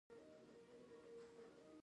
ګوندې د بابا پر پله روان شي.